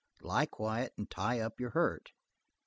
Lie quiet and tie up your hurt.